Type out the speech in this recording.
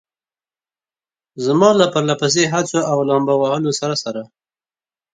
زما له پرله پسې هڅو او لامبو وهلو سره سره.